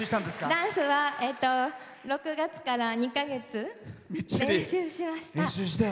ダンスは６月から２か月練習しました。